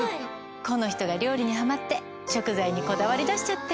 この人が料理にハマって食材にこだわり出しちゃって。